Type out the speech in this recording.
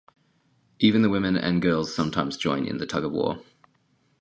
Even the women and girls sometimes join in the tug of war.